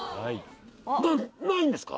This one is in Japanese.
なっないんですか？